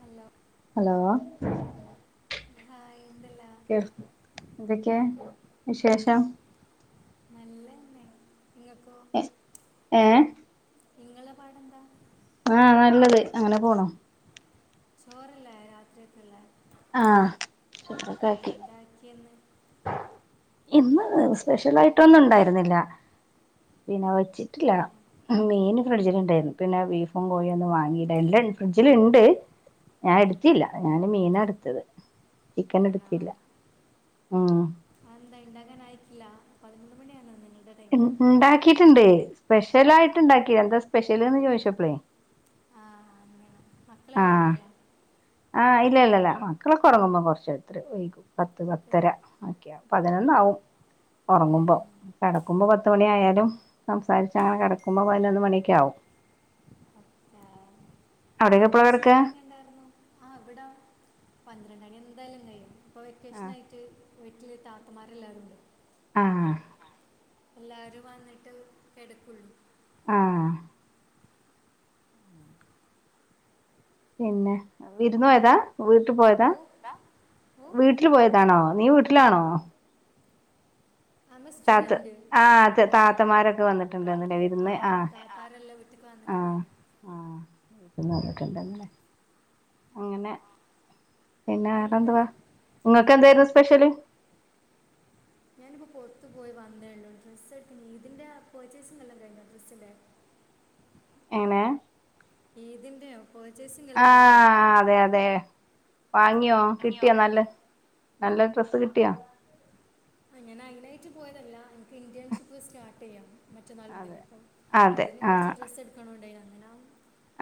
Hello hello hi എന്തല്ല എന്തെക്ക്യാ വിശേഷം നല്ലന്നെ ഇങ്ങക്കോ ഏഹ് ഇങ്ങളെ പാടെന്താ ആഹ് നല്ലത് അങ്ങനെ പോണു ചോറില്ലേ രാത്രേക്കിള്ളെ ആഹ് ചോറൊക്കാക്കി ആക്ക്യേന്ന് ഇന്ന് സ്പെഷ്യലായിട്ടൊന്നും ഇണ്ടായ്ര്ന്നില്ല പിന്നെ വെ ച്ച്റ്റില്ല ഒക്കെ, മീനും മേടിച്ചിട്ടിണ്ടേരുന്നു പിന്നെ ബീഫും കോഴിയൊന്നും വാങ്ങിയില്ല എല്ലാൺ ഫ്രിഡ്ജിലിണ്ട് ഞാ ഏ, എടുത്തില്ല ഞാന് മീനാഎടുത്തത് ചിക്കനെടുത്തില്ല ഉം ആഹ് എന്താ ഇണ്ടാക്കാനായിട്ടില്ലാ പതിനൊന്ന് മണിയാണോ നിങ്ങൾടെ ഇൻ ഇണ്ടാക്കിട്ടിണ്ട് സ്പെഷ്യലായിട്ട് ഇണ്ടാക്കിയെന്താ സ്പെഷ്യല്ന്ന് ചോദിച്ചപ്പളേ ആഹ് അങ്ങനെ മക്കളെല്ലാം ആഹ് ഉറങ്ങിയാ ആഹ് ഇല്ല ഇല്ല ഇല്ല മക്കളൊക്കെ ഒറങ്ങുമ്പോ കൊറച്ച് എത്തര് വൈകും പത്ത് ഒക്കെ, പത്തര അഹ് ക്ക്യ പതിനൊന്നാവും ഒറങ്ങുമ്പൊ ഏ, കെടക്കുമ്പൊ പത്ത് മണി ആയാലും സംസാരിച്ചങ്ങനെ കെടക്കുമ്പൊ പതിനൊന്ന് മണിയെക്ക ആവും ഏഹ് അവിടെയൊക്കെ എപ്പളാ കിടക്ക വെക്കേഷനൊക്കെ എങ്ങനെണ്ടായിരുന്നു ആഹ് ഇവിടം പന്ത്രണ്ടണി എന്തായാലും കഴിയും ഇപ്പോ ആഹ് വെക്കേഷനായിട്ട് വീട്ടില് താത്തമാരെല്ലാരുണ്ട്. ആഹ് എല്ലാരും വന്നിട്ട് കെടക്കുള്ളൂ ആഹ് പിന്നെ വിര്ന്നോയതാ വീട്ടി പോയതാ ഓ ഓ വീ ട്ടില് പോയതാണോ നീ വീട്ടിലാണോ ആമ താത്ത സ്റ്റുഡൻറ്റ് ആഹ് താത്തമാരൊക്കെ വന്നിട്ടുണ്ടായ്ന്നില്ലേ വിരുന്ന് ആഹ് ആരെല്ലാം വീ ട്ട്ക്ക് ആഹ് വന്നിട്ടെണ്ടാര്ന്ന് ആഹ് വീട്ട്ന്ന് വന്നിട്ടെണ്ടായ്ര്ന്നല്ലേ അങ്ങനെ പിന്നെ എന്ത് വേറെന്തുവാ ഇങ്ങക്കെന്തായിരുന്നു സ്പെഷ്യല് ഞാനിപ്പോ പൊർത്ത് പോയി വന്നേള്ളൂ ഡ്രസ്സ് എടുക്കനി ഈദിൻ്റെ പർച്ചേസിങ്ങല്ലാം കഴിഞ്ഞ ഡ്രസ്സിൻ്റെ എങ്ങനേ ഈദിന്റെയൊ പെർച്ചേസിംഗ് ആഹ് അതെ അതെ വാങ്ങിയോ ഇനിയോ കിട്ട്യോ നല്ല നല്ല ഡ്രസ്സ് കിട്ട്യോ ആഹ് ഞാൻ അയ്നാറ്റ് പോയതല്ല ഇൻക്ക് ഇൻ്റേൺഷിപ്പ് സ്റ്റാർട്ട് ചെയ്യണം. മറ്റന്നാള് മുതല് അതെ അപ്പം അതെ അതിന് കുറച്ച് ആഹ് ഡ്രസ്സ് എടു ക്ക‌ണണ്ടോയിനു അങ്ങനാ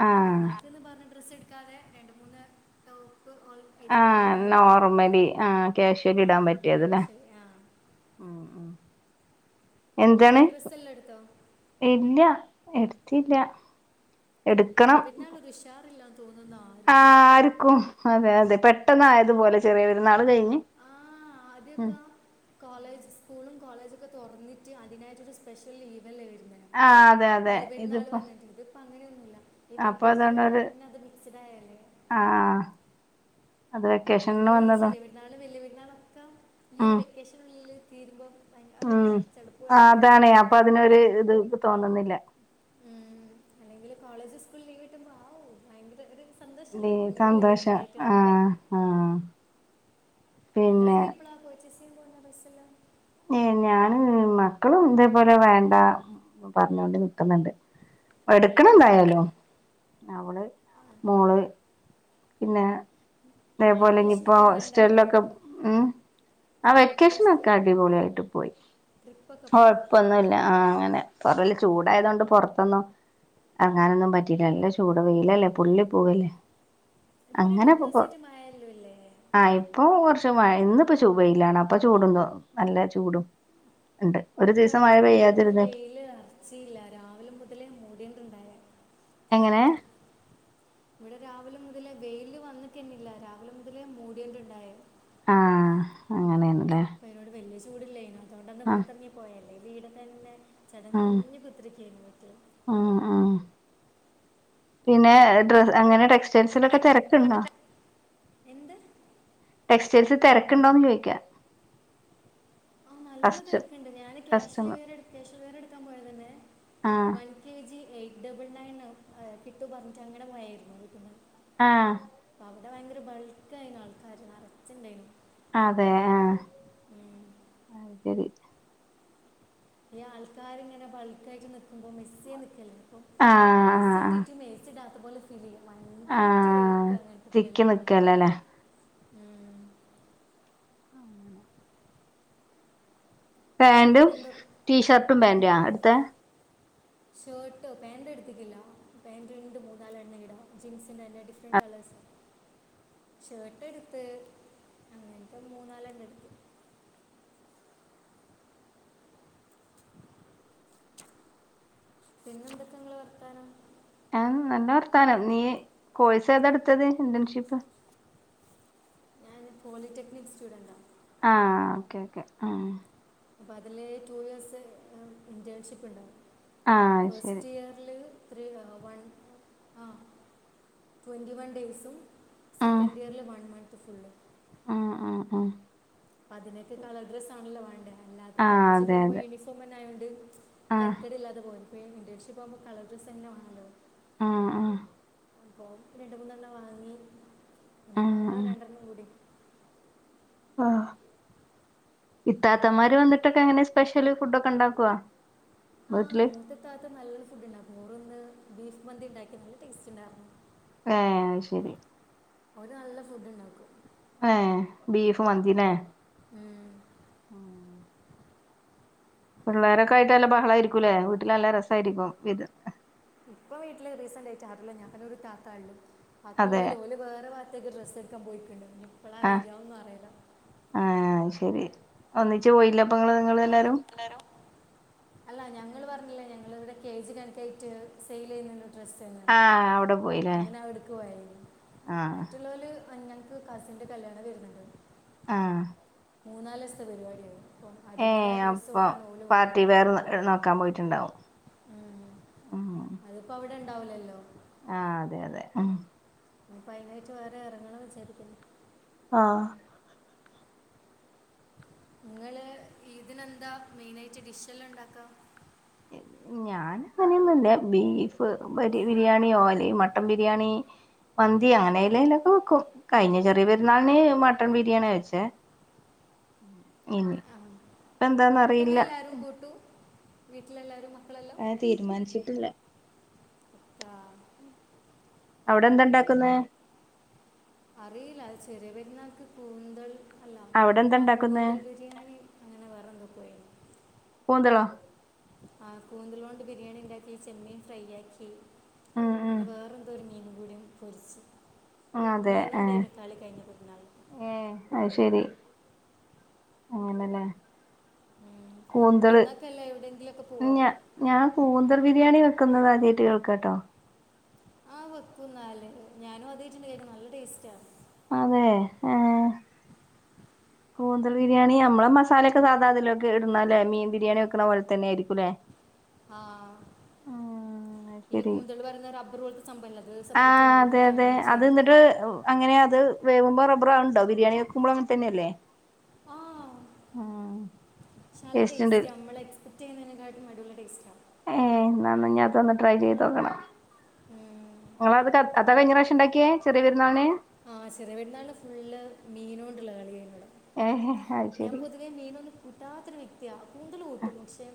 ആഹ് പിള്ളേർക്കെന്നു പറഞ്ഞ് ഡ്രസ്സ്‌ എടു ക്കാതെ രണ്ട് മൂന്ന് ടോപ്പ് ഓൾ എടുക്കാൻ ആഹ് അതിന് പോയത് അങ്ങനെ. നോർമലി ആഹ് കാഷ്വലി ആ ഇടാൻ പറ്റിയത് ഇല്ലേ ക്യാഷ് ആ ഉം ഉം നിങ്ങൾ എന്തുട്ടാണ് ഡ്രസ്സെല്ലാം എടുത്തോ ഇല്ല എടുത്തില്ല എടുക്കണം വല്യ പെർന്നാൽണൊരു ഷാറില്ലാന്ന് തോന്നുന്നാ ആ ആർക്കും അതെ അതെ പെട്ടെന്ന് ആയതുപോലെ ചെറിയ വരുന്നാൾ കഴിഞ്ഞ് ആഹ ഉം അദ്യോക്കാ കോളേജ് സ്കൂളും കോളേജൊക്കെ തുറന്നിട്ട് അതിനായിട്ടൊരു സ്പെഷ്യൽ ലീവല്ലേ വര്ന്നെ ആഹ് അതെ അതെ ബല പെരുന്നാള് ഇതിപ്പോ പറഞ്ഞിട്ടത് അപ്പോം അങ്ങനെയൊന്നുമില്ല ഈ അപ്പൊ വെക്കേഷനിൽ തന്നെ അത് മിക്സ്ഡ് ആയാലേ ആഹ അതെ എല്ലോ ഈ ചെറിയ പെരുന്നാളും വല്യ പെരുന്നാളൊക്കെ ഈയൊരു ഉം വെക്കേഷനുള്ളില് തീരുമ്പോം അന്നെ ഉം ചടുപ്പ് പോലെ ഫീൽ ചെയ്തു. അതാണ് അപ്പൊ അതിനൊരു ഇത് ഇത് തോന്നുന്നില്ല. ഉം അല്ലെങ്കില് കോളേജ് സ്കൂള ലീവ് കിട്ടുമ്പോ ആവു ഭയങ്കര ഒരു നീ സന്തോഷല്ലെ ലീവ് സന്തോഷം [unintelligible] ആഹ് [unintelligible] ആഹ് നിങ്ങള പിന്നെ ഇനി എപ്പോളാ പർച്ചേസ് പോവന്ന ബസല്ല. ഏ ഞാന് മക്കളും ഇതേപോലെ വേണ്ട പറഞ്ഞൊണ്ട് നി ണ്ട് എടുക്ക എടുക്കണണ്ടായാലോ അവള് മോള് പിന്നെ അതേപോലെ ഇനിപ്പോൊ വെക്കേഷനൊക്കെ എങ്ങനെ സ്റ്റെല്ലൊക്കെ ഉണ്ടായിരുന്നു ഉം ആ വെക്കേഷനൊക്കെ അടിപൊളിയായിട്ട് പോയി ട്രിപ്പൊക്കെ പോയോ കൊഴപ്പൊന്നുംല്ല ആ അങ്ങനെ പൊറല് ചൂടായതണ്ട് പൊറത്തന്നു എറങ്ങാനൊന്നും പറ്റിയില്ലേ നല്ല ചൂട വെയിലല്ലേ പൊള്ളി പോവല്ലേ. ഇപ്പൊ രണ്ട മൂന്ന് അങ്ങനെ ദിവസയിട്ട് മഴല്ലോ അല്ലേ. ആഹ് ഇപ്പൊ കുറച്ച് മഴ ഇന്നിപ്പ ചൂ പയിലാണ് അപ്പൊ ചൂടുംന്തോ നല്ല ചൂടും ഉണ്ട് ഒരു ഒക്കെ ദിവസം മഴ ഇവിടെന്ന ന്ന് പെയ്യാതിരുന്ന് വെയില് ക്സിയില്ല രാവിലെ മുതലേ മോടിയണ്ടുണ്ടായ എങ്ങനെ ക്ലൈമറ്റ് ഇവിടെ രാവിലെ മുതലേ വെയില് വന്നിക്കന്നെല്ല രാവിലെ മുതലേ മൂടിയണ്ട്ണ്ടായ. ആ അങ്ങനെയണ്ല്ലേ? അപ്പൾ അതിനോട് വലിയ ചൂടല്ലായിന അതുകൊണ്ടന്ന് പുറത്തിറങ്ങി പോയല്ലേ വീടെ തന്നെ ചടഞ്ഞ് കുത്തിരക്കുനു പറ്റ. ഉ ഉ പിന്നെ ഡ്ര അങ്ങനെ ടെക്സ് ജെൻസിലോക്കെ തിരക്കുണ്ട. എന്ത് ടെക്സ്റ്റൈൽ തിരക്കുണ്ടോന്ന് ചദിക്കാം. ആ നല്ല കസ്റ്റ തിരക്കുണ്ട് ഞാൻ ക്യാഷ് കസ്റ്റമർ ഡെലിവറി ക്യാഷ്ൽിവറി എടുക്കാൻ പോയിരുന്നു തന്നെ ആഹ് വ K G eight double nine കിട്ടു പറഞ്ഞിട്ട് അങനപോയർന്നു ആഹ് അപ്പ അവിടെ ഭയങ്കര ബൾക്ക് ആയിന ആൾക്കാാര് നിറച്ചണ്ടായിന അതെ ആഹ അ ശരി ഈ ആൾക്കാർ ഇങ്ങനെ ബൾക്ക ആയിട്ട് നക്കുമ്പോ മെസ്സിയി നിക്കല്ല ഇപ്പൊ ആഹ് ആഹ് എസി ആഹ് ഏസി ട്ടാത്തപോലെ ഫീല് ചെയ്യും ഭയങ്കരമായിട്ട് വേർുക ആഹ് തിക്കി അങ്ങനത്തെെല്ലാം പോകുമ്പോ. നിക്കല്ലല്ലേ ആ അങ്ങനെ പാാന്റും പിന്നെന്തോ ടീഷർട്ടും പാൻറ ആ അടുത്ത ഷർട്ട് പാൻ്റ് എടുത്തിക്കില്ല പാൻറ് രണ്ട് മൂന്നാലല് എണ്ണ ഇടാം ജീൻസിൻ്റെ തന്നെ ഡിഫറൻറ് കളേഴ്സ്. അ [inaudible] ഷർട്ട് ടുത്ത് അങ്ങനത്തെ മൂനാലാണം എടുത് പിന്നെന്തൊക്കെ നിങ്ങള്ൾ വർത്താനം. ആ നല്ല വർത്താനം നീ കോഴ്സ് ഏതെടുത്തത് ഇന്റേൺഷിപ്പ് ഞാൻ പോളിടെക്നിക് സ്റ്റുഡന്റാ ആഹ ഓക്കേ ഓക്കെ ആ അപ്പം അതില് ടു ഇയേർ്സ് എ ഇന്റേൺഷിപ്പ് ഉണ്ട് ആഹ് അത് ശരി ഫസ്റ്റ് ഇയറിൽ ത്രീ വൺ ആ ട്വൻറ്റിവൺ ഡേയ്സും ആഹ് സെക്കൻഡ് ഇയർലേ വൺ മൻന്തു ഫുള് ആഹ് ആഹ് ആഹ് പ്പതിനൊക്കെ കളർ ഡ്രസ്സ ആണല്ലോ വേണ്ട എല്ലാത്തും ആഹ് കോളേജ് അതെ പോഉമ്പോ അതെ യൂണിഫോം എന്നെ ആയോണ്ട് ആഹ് തരക്കേട് ഇല്ലാതെ പോയേ ഇറന്റേൺഷിപ്പ ആകുമ്പോ കളർ ഡ്രസ് എന്നെവാണല്ലോ? ആഹ് ആഹ് പോർക് രണ്ട് മൂന്നെണ്ണം വാങ്ങി ഇനി ആഹ് വാങ്ങണം ആഹ് രണ്ടെണ്ണം കൂടി ആഹ് ഇത്താത്തമാര് വന്നിട്ടൊക്കെ എങ്ങനെ സ്പെഷ്യല് ഫുഡ് ഒക്കെ ഉണ്ടാക്കോ വീട്ടില് എന്റെ ഇത്താത്ത നല്ലൊരു ഫുഡ്ണ്ടാകു ഓര്‌വന്ന്ബീഫ് മന്തി ഉണ്ടാക്കി നല്ല ടേസ്റ്റ്ണ്ടായിരുന്നു. ഏഹ് അഹ് ശരി ഓര്നല്ല ഫുഡ്ണ്ടാക്കും. ഏഹ് ബീഫ് മന്തിലെ ഉം ആഹ് പിള്ളോരൊക്കെ ആയിട്ട് നല്ല ബഹളയിരിക്കുല്ലേ വീട്ടിൽ നല്ല രസയിരിക്കും വിര് ഇപ്പൊ വീട്ടില് റീസന്റ് ആയിട്ടാറില്ല ഞാൻതനെ ഒരു താത്താ ഉള്ളു ബാക്കിയുള്ള അതെ ഓല് ഓല് വേറെ ഭാഗത്തക്ക് ഡ്രസ്സ് ടുക്കാൻ പോയിക്ക്ണ്ട് നി പ്പളാ വരാന്നു അറിയില്ല ഏഹ് അഹ് ശരി ഒന്നിച്ച് പോയില്ലപ്പങ്ങള് ങ്ങള് നിങ്ങള് എല്ലാരും എല്ലാരും അല്ല ഞങ്ങൾ പറഞ്ഞില്ലേ ഞങ്ങള ഇവിടെ കേജ് കണക്കായിട്ട് സെയിൽ ചെയ്യുന്നുണ്ട് ഡ്രസ്സ്ന്ന് ആഹ് അവിടെ പോയില്ലേ അങ്ങനെ അവട്ക്ക് പോയേന് ആഹ് മറ്റുള്ളാല് അങ് ഞ്ഞം കസിൻ്റെ കല്യാണം വരുന്നുണ്ട് ആഹ് മൂന്നാലോസ് ത്തെ പരിപാടിയാ അതിന്റേതായ ഏഹ് ഡ്രസ്സ് അപ്പൊ കൊടുക്കാൻ ഓലു പോയി ഇഞ്ഞ്പ്പ പാർട്ടി വെയർ ഞങ്ങക്ക് പോണം. നോക്കാൻ പോയിട്ടുണ്ടാവും ഉം ഉം അതിപ്പോ അവിടെ ണ്ടാവൂലല്ലോ? ആഹ് അതെ അതെ ഇനിപ്പോ അയ്നായിട്ട് വേറെ എറങ്ങണംവിചാരിക്കുന് ആഹ് ങ്ങള് ഈദിനെന്താ മെയിനായിട്ട് ഡിഷ്ല്ലാം ണ്ടാക്ക ഇഹ് ഞ ഞാന്പൊ അങ്ങനൊന്നുല്ല ബീഫ് ബ് ര് ബിരിയാണിയോ അല്ലെ മട്ടൺ ബിരിയാണി മന്തി അങ്ങനെല്ലെലൊക്കെ വെക്കും കഴിഞ്ഞ ചെറിയ പരുന്നാള്ന് മട്ടൺ ബിരിയാണി വെച്ച ആഹ് ഇപ്പ എന്താന്ന് അറിയില്ല മട്ടന്എല്ലാരും കൂട്ടൂ വീട്ടിലെല്ലാരും മക്കളല്ലോ? അങ്ങനെ തീരുമാനിച്ചിട്ടില്ല ആഹ് അവിടെ എന്താണ്ടാക്കുന്നെ അറിയില്ല ചെറി പെരുന്നാക്ക് കൂന്തൽ അല്ല അവിടെ എന്താ ആഹ് ഇണ്ടാക്കുന്നെ കൂന്തൽ ബിരിയാണി അങ്ങനെ വേറെന്തോക്കോ ഏനി കൂന്തളോ? ആഹ് കൂന്തളോണ്ട് ബിരിയാണിണ്ടാക്കി ചെമ്മീൻ ഫ്രൈ ആക്കി ഉം ഉം പിന്നെ വേറെ എന്തോ ഒരു മീനും കൂടിയും പൊരിച്ച് അതെ ഏഹ് മീനോണ്ടായിരുന്നു കളി കഴിഞ്ഞ പെരുന്നാളിന്‌ ഏഹ് അഹ് ശരി അങ്ങനല്ലേ? ഉം. കൂന്തള് പെരുന്നാൾക്കല്ല എവിടെയെങ്കിലുമൊക്കെ പോവോ പിന്ന ഞാൻ കൂന്തർ ബിരിയാണി വെക്കുന്നത് ആദ്യയിട്ട് കേൾക്ക ട്ടോ? ആഹ് വെക്കും ന്നാല്ഞാനും ആദ്യയിട്ട് കേൾക്കാ നല്ല ടേസ്റ്റാ അതെ ഏഹ് കൂന്തൽ ബിരിയാണി നമ്മള് മസാലൊക്കെ സാധാ അതിലോക്കെ ഇടുന്നല്ലേ മീൻ ബിരിയാണി വെക്ണ പോലെ തന്നെയിരിക്കുംല്ലേ ആഹ് ഉം ഈ ശരി കൂന്തൽ പറയുന്നെ റബ്ബർ പോൽത്തെ സംഭവല്ലെ അത് സെപ്പറേറ്റ് ആഹ് അതെ വേവിക്കൊ അതെ അങ്ങനെ എന്തേ അത് ചെയ്യ് എന്നിട്ട് തോന്നുന്നു അങ്ങനെ അത് വേവുമ്പോ റബറ് ആവണ്ടോ ബിരിയാണി വെക്കുമ്പളും അങ്ങനെ തന്നെയല്ലേ. ആഹ് ഉം ചാല ടേസ്റ്റ് ഉണ്ട് ടേസ്റ്റാ നമ്മളെ കുറ്റേന്നതിനെക്കാട്ടും അടിപൊളി ടേസ്റ്റാണ്. ഏ എന്നാന്ന് ഇനി അതൊന്ന് ട്രൈ ചെയ്തോക്കണം. ഉം... നിങ്ങള അത് അതാ കഴിഞ്ഞ പ്രാവശ്യം ഉണ്ടാക്കിയെ? ചെറിയ പെരുന്നാളിന്. ആ ചെറിയ പെരുന്നാളിന് ഫുള്ള് മീനോണ്ടുള്ള കളി ഏന് ഇവിടെ. ഏഹെ... ഞാൻ പൊതുവെ മീനൊന്നും കിട്ടാത്തൊരു വ്യക്തിയാ. കൂന്തൽ കൂട്ടും, പക്ഷേ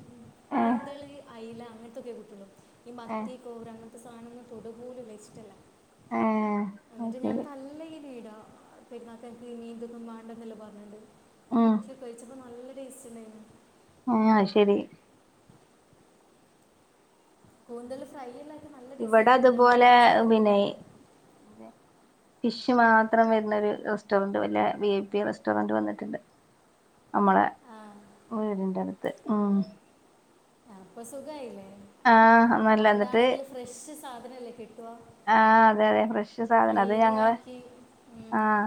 ഏഹ് കൂന്തല്, അയില അങ്ങനത്തൊക്കെ കൂട്ടൊള്ളൂ ഈ ഏഹ് മത്തി- കോര അങ്ങനത്തെ സാനൊന്നും തൊടു പോലുല്ല, ഇഷ്ട്ടല്ല. ഏഹ് അത് എന്നിട്ട് ഞാൻ ശരി തല്ലേന് ഈടാ. പെരുന്നാക്കൊക്കെ മീന്തൊന്നും വേണ്ടെന്നല്ലെ പറഞ്ഞത്‌. ആഹാ. പക്ഷെ കഴിച്ചപ്പോ നല്ല ടേസ്റ്റ് ഉണ്ടായിരുന്നു. ആ ശരി. കൂന്തൽഫ്രൈ എല്ലാക്കി നല്ല- ടേസ്റ്റല്ലേ ഇവിടെ കൂന്തൽ നെറച്ച- പൊരിക്കുന്നതല്ലോ- ന്തേ? ഫിഷ് മാത്രം വരുന്ന ഒരു- റെസ്റ്റോറന്റ് വല്ല, വി പി റെസ്റ്റോറന്റ് വന്നിട്ടുണ്ട്. നമ്മളെ ആ വീടിന്റെടുത്ത്, ഉം... ആ അപ്പോ സുഖായില്ലേ? ആഹ് നല്ല എന്നിട്ട് അവിടാണെങ്കില് ഫ്രഷ് സാധനല്ലേ കിട്ടുവ. ആഹ് അതെ അതെ ക്ലീനു ആക്കി. ഉം, ആഹ.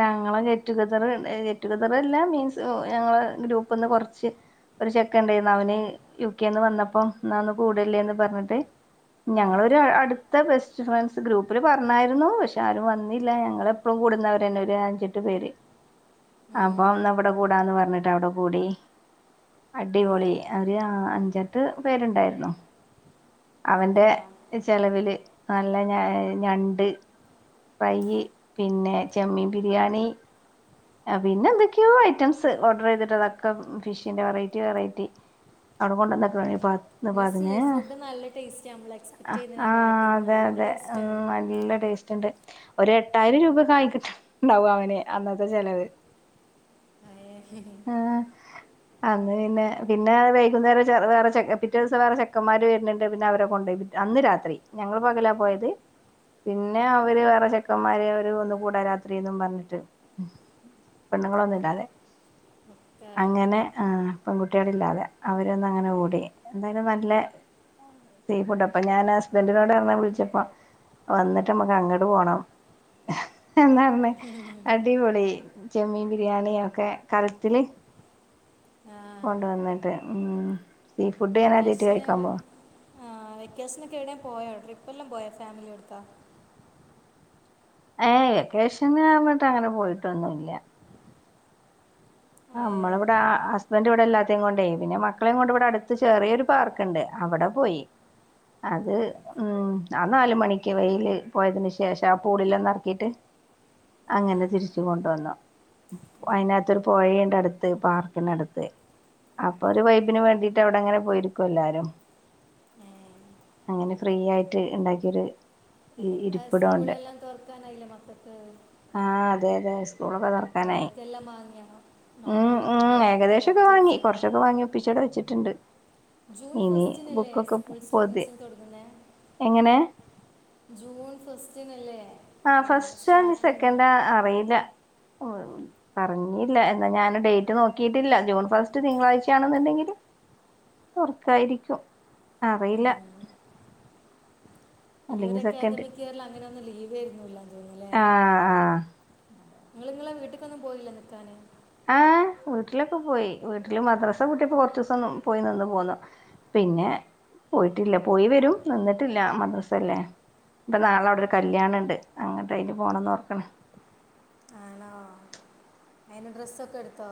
ഞങ്ങളെ ഗെറ്റ് ടുഗെതർ ഏ ഗെറ്റ്- ടുഗെതറെല്ല മീൻസ് ഞങ്ങളെ ഗ്രൂപ്പന്ന് കുറച്ച്- ഒരു ചെക്കണ്ടേന്നു അവന് യു. കെന്ന് വന്നപ്പോ എന്നാ ഒന്ന്- കൂടല്ലേന്ന് പറഞ്ഞിട്ട്, ഉം, ഞങ്ങളൊരു അടുത്ത ബെസ്റ്റ്- ഫ്രണ്ട്സ് ഗ്രൂപ്പിൽ പറഞ്ഞായിരുന്നു. പക്ഷെ ആരും വന്നില്ല ഞങ്ങൾ- എപ്പും കൂടുന്നവരന്നെ ഒരു അഞ്ചെട്ട് പേര്. ഉം. അപ്പോന്ന് അവിടെ കൂടാന്ന്- പറഞ്ഞിട്ട് അവിടെ കൂടി. ഏ, അടിപൊളി അവര് ആ, അഞ്ചെട്ട് പേരുണ്ടായിരുന്നു. അവന്റെ അപ്പാ. ചെലവില് നല്ല ഞഞണ്ട്. ഫ്രൈ പിന്നെ ചെമ്മീൻ ബിരിയാണി. ആ പിന്നെന്തൊക്കെയോ ഐറ്റംസ്, ഓർഡർ ചെയ്തിട്ട് അതൊക്കെ ഫിഷിന്റെ വെറൈറ്റി, വെറൈറ്റി. അവിടെ കൊണ്ടന്നക്കണി പാ- ഈ സീ ഇന്നിപതിന് ഫുഡ് നല്ല ടേസ്റ്റ് നമ്മൾ എക്സ്പെക്ട് ആഹ ചെയ്യുന്നതിനെക്കാട്ടി അതെ നല്ല അതെ ഉം. ടേസ്റ്റാണ് നല്ല ടേസ്റ്റ് ഉണ്ട് ഒര് എട്ടായിരം രൂപ- ഒക്കെ ആയിക്കിട്ടണ്ടാവും അവന് അന്ന- ത്തെ ചെലവ്. [unintelligible] ആഹ.. അന്ന് പിന്നെ, പിന്നെ വൈകുന്നേര വേറെ പിറ്റേ ദിവസം വേറെ ചെന്മാര് വരുന്നുണ്ട് പിന്നെ അവരെ- കൊണ്ടുപോയി അന്ന് രാത്രി ഞങ്ങള് പകലാ പോയത്. പിന്നെ അവര് വേറെ ചെക്കന്മാര്, അവര് ഒന്ന കൂടാ രാത്രിയും പറഞ്ഞിട്ട്. പെണ്ണുങ്ങളൊന്നു ഇല്ലാതെ. ഒക്കെ അങ്ങനെ. ആ പെൺകുട്ടികളില്ലാതെ- അവരൊന്ന് അങ്ങനെ കൂടി. എന്തായാലും നല്ല- സീ ഫുഡ് അപ്പോ ഞാൻ ഹസ്ബൻഡിനോട് പറഞ്ഞാ- വിളിച്ചപ്പോ വന്നിട്ട് നമ്മുക്ക് അങ്ങോട്ട് പോകണം. എന്നാ പറഞ്ഞേ? പൊളി ചെമ്മീൻ ബിരിയാണി ഒക്കെ കലത്തില്- ആ കൊണ്ടുവന്നിട്ട് ഉം സീ ഫുഡ് ഞാൻ ആദിയാട്ട് കഴിക്കാൻ പോ- ആ വെക്കേഷനോ ഒക്കെ എവിടെലും പോയോ? ട്രിപ്പ് എല്ലാം പോയ ഫാമിലി എടുത്താ. ഏ വെക്കേഷൻ അങ്ങട്ട് അങ്ങനെ പോയിട്ടൊന്നുമില്ല. ആയേ. നമ്മളവിടെ ആ- ഹസ്ബൻഡറ് ഇവിടെ എല്ലാവരെയും കൊണ്ടയി പിന്നെ മക്കളെയും കൊണ്ട് ഇവിടെരു- ചെറിയരു പാർക്കുണ്ട് അവിടെ പോയി. അത് ഉം ആ നാല് മണിക്ക് വെയില് പോയതിന് ശേഷം ആ പൂളില്ലന്ന ഇറക്കിട്ട് ആ അങ്ങനെ തിരിച്ച് കൊണ്ടുവന്നു ഉം. വൈന്നു പോഴേടെ അടുത്ത് പാർക്കിനടുത്ത് അപ്പൊ ഒരു വൈബിന് വേണ്ടിട്ട് അവിടെ അങ്ങനെ പോയിരിക്കും എല്ലാരും ഏ അങ്ങനെ ഫ്രീ ആയിട്ട് ഇണ്ടാക്കിയരു സ്കൂളെല്ലാം തൊറക്കാനായില്ല മക്കൾക്ക് ആഹ് അതെ അതെ സ്കൂളൊക്കെ തുറ ഓർക്കെല്ലാം വാങ്ങിയാ നോട്ട്ബുക്ക് ബാഗ് ബോട്ടലിസ് പ്പിച്ചട വെച്ചിട്ടുണ്ട് ജൂൺ ഇനി ഫസ്റ്റിനല്ലേ ബുക്കൊക്കെ സ്കൂൾ പൊതി- സ്റ്റുഡൻസിന് തുടങ്ങുന്നത് എങ്ങനെ ജൂൺ ഫസ്റ്റിനല്ലേ ആ ഫസ്റ്റ് സ്റ്റാർട്ട് ചെയ്യുന്നത് സെക്കൻഡാ അറിയില്ല പറഞ്ഞില്ല എന്നാ ഞാൻ ഡേറ്റ് നോക്കിയിട്ടില്ല ജൂൺ ഫസ്റ്റ് തിങ്കളാഴ്ചയാണെന്നുണ്ടെങ്കിൽ തൊറക്കായിരിക്കും അറിയില്ല ഈ ഒരു അല്ലെങ്കിൽ സെക്കൻഡ് അക്കാദമിക് ഇയറിൽ അങ്ങനെ ഒന്നും ലീവ് ഇല്ലെന്ന് തോന്നില്ലേ ആ ആ നിങ്ങ നിങ്ങളെ വീട്ടിക്കൊന്നും പോയില്ല നിൽക്കാന് ആഹ് വീട്ടിലൊക്കെ പോയി വീട്ടില് മദ്രസാ പൂട്ടിപ്പോ കൊറച്ച് ദിവസം പോയി നിന്ന് പോന്നു പിന്നെ പോയിട്ടില്ല പോയി വരും നിന്നിട്ടില്ല മദ്രസ ഇല്ലേ ഇപ്പൊ നാളെവിടെ ഒരു കല്യാണ ഉണ്ട് അങ്ങന് അതിൽ പോണംന്ന് ഓർക്കണ് ആണോ അതിന് ഡ്രസ്സൊക്കെ എടുത്തോ